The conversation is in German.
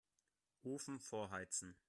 Ofen vorheizen.